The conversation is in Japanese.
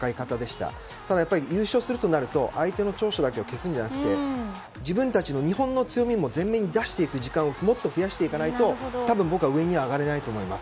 ただやっぱり優勝するとなると相手の長所だけを消すんじゃなくて自分たちの日本の強みも前面に出していく時間をもっと増やしていかないと多分、僕は上には上がれないと思います。